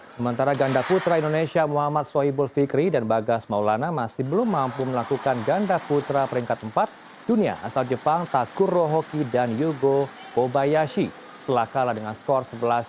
sementara ganda putra indonesia muhammad sohibul fikri dan bagas maulana masih belum mampu melakukan ganda putra peringkat empat dunia asal jepang takuro hoki dan yugo kobayashi setelah kalah dengan skor sebelas dua puluh satu tiga belas dua puluh satu